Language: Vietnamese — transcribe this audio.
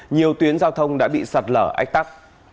nhiều tuyến giao thông đã bị sạt lở ách tắc